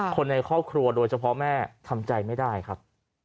คนในครอบครัวโดยเฉพาะแม่ทำใจไม่ได้ครับ